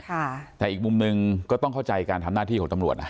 แต่อีกมุมหนึ่งก็ต้องเข้าใจการทำหน้าที่ของตำรวจนะ